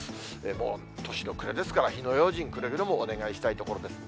もう年の暮れですから、火の用心、くれぐれもお願いしたいところです。